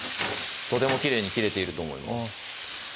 とてもきれいに切れていると思います